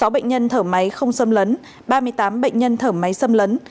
sáu bệnh nhân thở máy không xâm lấn ba mươi tám bệnh nhân thở máy xâm lấn